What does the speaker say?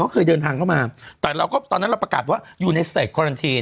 เขาเคยเดินทางเข้ามาแต่เราก็ตอนนั้นเราประกาศว่าอยู่ในสเตจควารันที